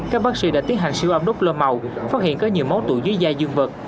các bác sĩ đã tiến hành siêu âm đốt lơ màu phát hiện có nhiều máu tụi dưới da dương vật